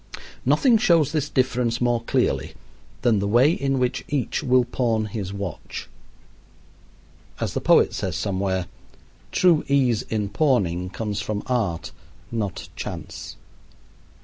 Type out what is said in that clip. Nothing shows this difference more clearly than the way in which each will pawn his watch. As the poet says somewhere: "True ease in pawning comes from art, not chance."